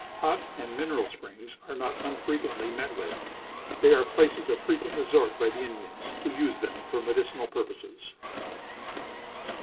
Hot and mineral springs are not unfrequently met with. They are places of frequent resort by the Indians, who use them for medicinal purposes.